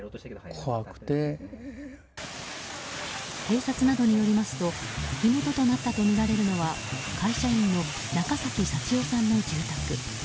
警察などによりますと火元となったとみられるのは会社員の中崎幸男さんの住宅。